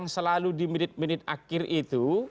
selalu di menit menit akhir itu